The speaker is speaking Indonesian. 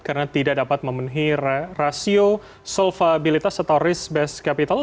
karena tidak dapat memenuhi rasio solvabilitas atau risk base capital